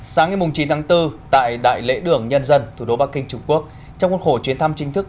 sáng ngày chín tháng bốn tại đại lễ đường nhân dân thủ đô bắc kinh trung quốc trong nguồn khổ chuyến thăm chính thức